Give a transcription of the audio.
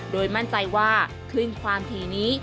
โดยมั่นใจว่าคลื่นความทีนี้